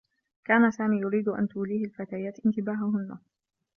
كان سامي يريد أن توليه الفتيات انتباههنّ.